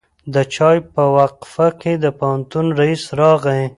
د چای په وقفه کې د پوهنتون رئیس راغی.